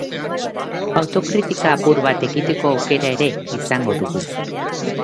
Autokritika apur bat egiteko aukera ere izango dugu.